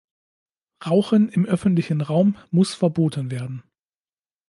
Rauchen im öffentlichen Raum muss verboten werden.